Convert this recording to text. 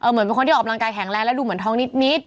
เหมือนเป็นคนที่ออกกำลังกายแข็งแรงแล้วดูเหมือนท้องนิด